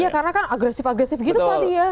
iya karena kan agresif agresif gitu tadi ya